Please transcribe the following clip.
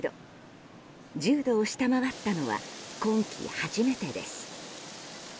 １０度を下回ったのは今季初めてです。